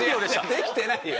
できてないよ。